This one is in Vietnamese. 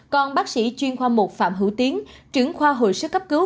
còn bác sĩ chuyên khoa một phạm hữu tiến trưởng khoa hồi sức cấp cứu